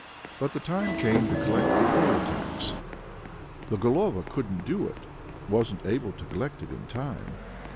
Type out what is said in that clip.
But the time came to collect the poll tax. The Golova couldn't do it, wasn't able to collect it in time.